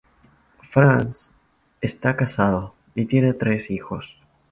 Franz está casado y tiene tres hijos.